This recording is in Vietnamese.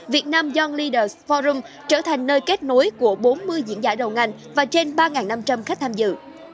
việt nam young leaders forum trở thành nơi kết nối của bốn mươi diễn giả đầu ngành và trên ba năm trăm linh khách tham dự